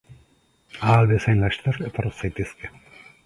Ahal bezain laster etor zaitezke.